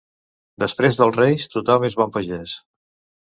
Després dels Reis tothom és bon pagès.